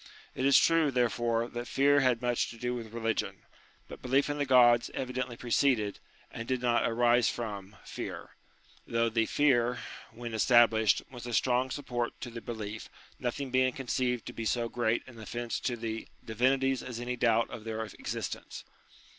It is true, therefore, that fear had much to do with religion : but belief in the Gods evidently H 2 102 UTILITY OF RELIGION preceded, and did not arise from, fear: though the fear, when established, was a strong support to the belief, nothing being conceived to be so great an offence to the divinities as any doubt of their existence.